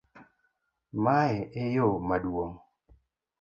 Mae e yoo maduong'?